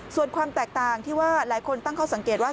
ส่วนความแตกต่างที่ว่าหลายคนตั้งข้อสังเกตว่า